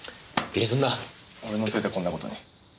俺のせいでこんな事に。